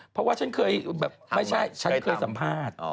เพราะว่าฉันเคยไม่ใช่เช่นสัมภาษณ์